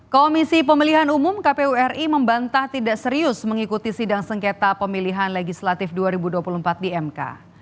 komisi pemilihan umum kpu ri membantah tidak serius mengikuti sidang sengketa pemilihan legislatif dua ribu dua puluh empat di mk